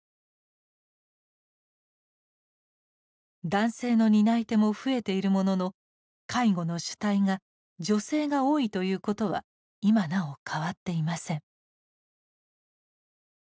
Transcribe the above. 男性の担い手も増えているものの介護の主体が女性が多いということは今なお変わっていません。